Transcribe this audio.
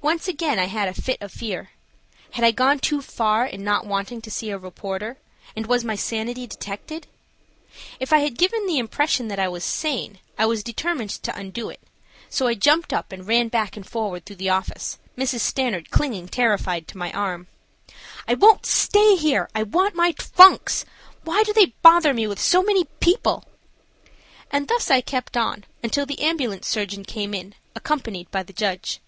Once again I had a fit of fear. Had I gone too far in not wanting to see a reporter, and was my sanity detected? If I had given the impression that I was sane, I was determined to undo it, so I jumped up and ran back and forward through the office, Mrs. Stanard clinging terrified to my arm. "I won't stay here; I want my trunks! Why do they bother me with so many people?" and thus I kept on until the ambulance surgeon came in, accompanied by the judge.